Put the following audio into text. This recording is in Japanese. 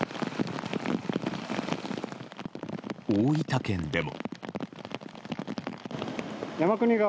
大分県でも。